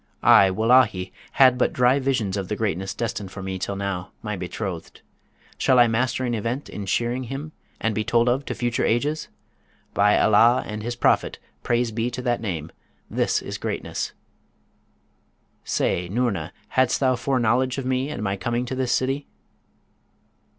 I, wullahy! had but dry visions of the greatness destined for me till now, my betrothed! Shall I master an Event in shaving him, and be told of to future ages? By Allah and his Prophet (praise be to that name!), this is greatness! Say, Noorna, hadst thou foreknowledge of me and my coming to this city?'